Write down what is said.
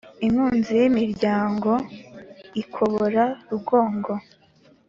inkunzi y' imiryango ikobora rugongo